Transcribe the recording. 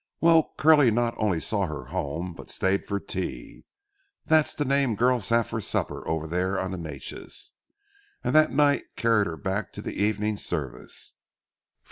Well, Curly not only saw her home, but stayed for tea—that's the name the girls have for supper over on the Neches—and that night carried her back to the evening service.